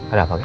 ada apa ghi